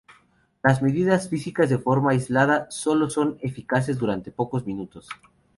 Las medidas físicas de forma aislada sólo son eficaces durante pocos minutos.